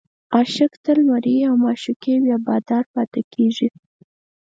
عاشق تل مریی او معشوق بیا بادار پاتې کېږي.